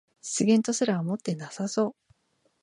失言とすら思ってなさそう